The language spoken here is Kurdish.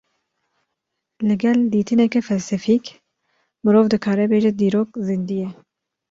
Li gel dîtineke felsefîk, mirov dikare bêje dîrok zîndî ye